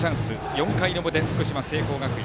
４回の表、福島・聖光学院。